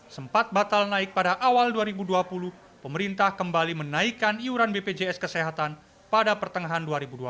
sempat batal naik pada awal dua ribu dua puluh pemerintah kembali menaikkan iuran bpjs kesehatan pada pertengahan dua ribu dua puluh